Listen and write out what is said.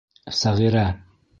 Сәғирә!